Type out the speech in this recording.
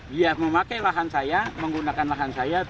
dia memakai lahan saya menggunakan lahan saya